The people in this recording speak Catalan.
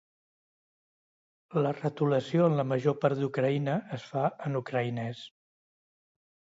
La retolació en la major part d’Ucraïna es fa en ucraïnès.